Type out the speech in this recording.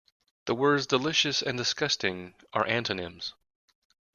The words delicious and disgusting are antonyms.